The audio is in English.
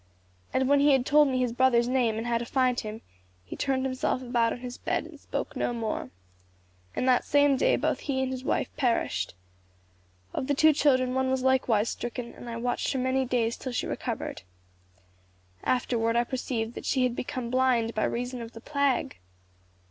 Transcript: And when he had told me his brother's name and how to find him, he turned himself about on his bed and spoke no more. In that same day both he and his wife perished. Of the two children one was likewise stricken, and I watched her many days till she recovered. Afterward I perceived that she had become blind by reason of the plague.